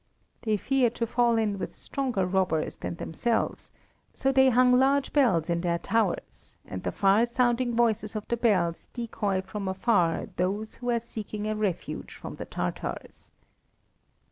They fear to fall in with stronger robbers than themselves, so they hung large bells in their towers, and the far sounding voices of the bells decoy from afar those who are seeking a refuge from the Tartars.